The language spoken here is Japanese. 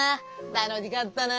楽しかったな。